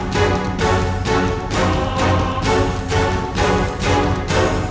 tuhan yang terbaik